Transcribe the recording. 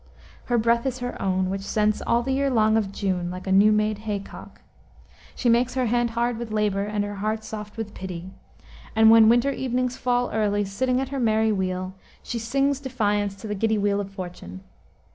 "Her breath is her own, which scents all the year long of June, like a new made hay cock. She makes her hand hard with labor, and her heart soft with pity; and when winter evenings fall early, sitting at her merry wheel, she sings defiance to the giddy wheel of fortune.